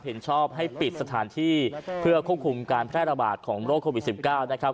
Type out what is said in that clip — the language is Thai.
เห็นชอบให้ปิดสถานที่เพื่อควบคุมการแพร่ระบาดของโรคโควิด๑๙นะครับ